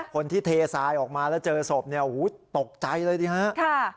คนที่เททรายออกมาแล้วเจอศพตกใจเลยนะ